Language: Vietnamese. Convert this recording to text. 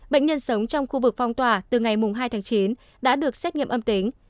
bệnh nhân sống trong khu vực phong tỏa từ ngày hai tháng chín đã được xét nghiệm âm tính